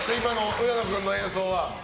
浦野君の演奏は。